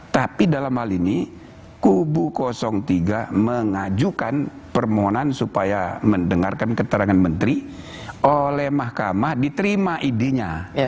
tapi dalam hal ini kubu tiga mengajukan permohonan supaya mendengarkan keterangan menteri oleh mahkamah diterima idenya